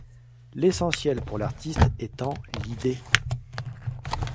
L’essentiel pour l’artiste étant l’idée.